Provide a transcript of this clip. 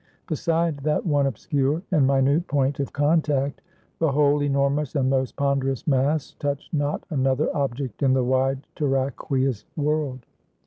Beside that one obscure and minute point of contact, the whole enormous and most ponderous mass touched not another object in the wide terraqueous world.